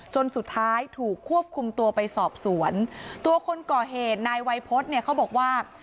จนสุดท้ายถูกควบคุมตัวไปสอบสวนตัวคนก่อเหตุนายวัยพฤษเนี่ยเขาบอกว่า